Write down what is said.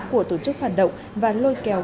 của tổ chức phản động và lôi kéo